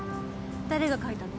誰が描いたの？